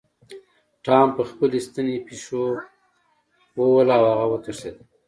ټام په خپلې ستنې پیشو ووهله او هغه وتښتیده.